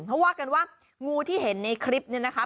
เขาว่ากันว่างูที่เห็นในคลิปนี้นะคะ